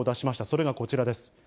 それがこちらです。